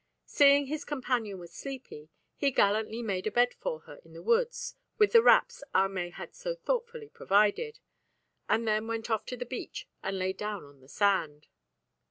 Seeing his companion was sleepy, he gallantly made a bed for her in the woods with the wraps Ahmay had so thoughtfully provided, and then went off to the beach and lay down on the sand.